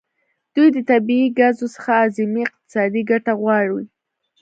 دوی د طبیعي ګازو څخه اعظمي اقتصادي ګټه غواړي